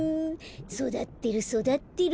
そだってるそだってる。